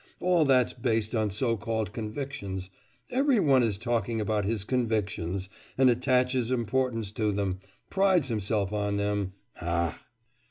All that's based on so called convictions; every one is talking about his convictions, and attaches importance to them, prides himself on them. Ah!